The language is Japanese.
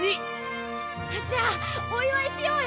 じゃあお祝いしようよ。